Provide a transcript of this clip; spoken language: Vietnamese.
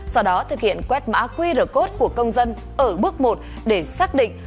sau đó thực hiện quét mã qr code của công dân ở bước một để xác định